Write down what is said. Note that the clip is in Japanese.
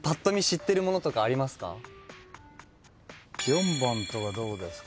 ４番とかどうですか？